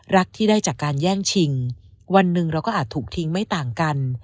รักที่ได้จากการแย่งชิงวันหนึ่งเราก็อาจถูกทิ้งไม่ต่างกัน